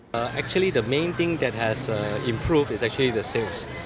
sebenarnya pedagang yang sudah beralih ke dunia digital mulai merasakan manfaatnya